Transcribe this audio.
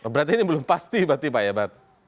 berarti ini belum pasti berarti pak ya